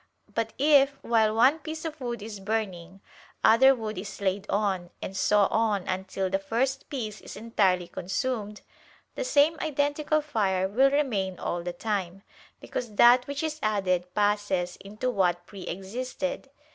But if, while one piece of wood is burning, other wood is laid on, and so on until the first piece is entirely consumed, the same identical fire will remain all the time: because that which is added passes into what pre existed.